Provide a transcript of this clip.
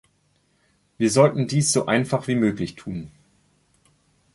Wir sollten dies so einfach wie möglich tun!